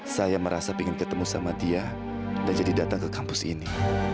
saya merasa ingin ketemu sama dia dan jadi datang ke kampus ini